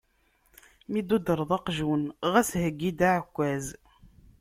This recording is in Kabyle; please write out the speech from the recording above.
Mi d-tuddreḍ aqjun, ɣas heggi-d aɛekkaz.